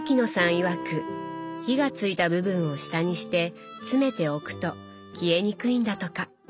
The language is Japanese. いわく火がついた部分を下にして詰めて置くと消えにくいんだとか。